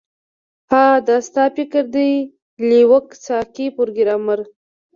ها دا ستا فکر دی لیوک سکای پروګرامر